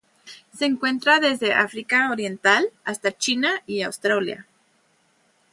Se encuentra desde África Oriental hasta China y Australia.